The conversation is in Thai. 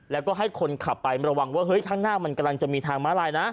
แล้วก็ให้คนขับไประวังว่าเฮ้ยข้างหน้ามันกำลังจะมีทางม้าลายนะ